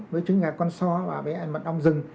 với trứng ngạc con so và bé anh mặt ong dừng